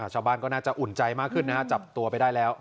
ชาวบ้านก็น่าจะอุ่นใจมากขึ้นนะฮะจับตัวไปได้แล้ว